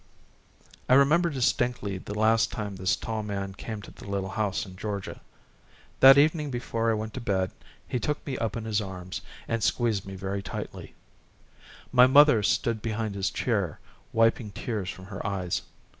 I remember distinctly the last time this tall man came to the little house in Georgia; that evening before I went to bed he took me up in his arms and squeezed me very tightly; my mother stood behind his chair wiping tears from her eyes.